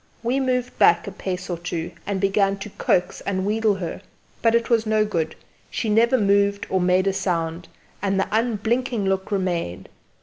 We moved back a pace or two and began to coax and wheedle her; but it was no good; she never moved or made a sound, and the unblinking look remained.